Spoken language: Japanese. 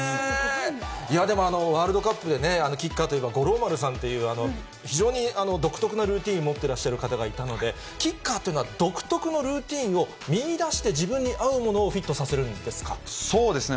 でも、ワールドカップでね、キッカーといえば五郎丸さんという、非常に独特なルーティンを持ってらっしゃる方がいたので、キッカーというのは、独特のルーティンを見いだして、自分に合うものをフィットさせるそうですね。